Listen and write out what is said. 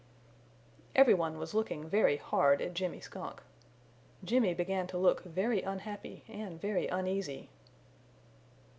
Every one was looking very hard at Jimmy Skunk. Jimmy began to look very unhappy and very uneasy.